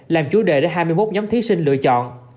làm chủ đề để hai mươi một nhóm thí sinh lựa chọn